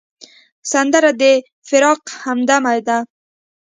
سندره د فراق همدمه ده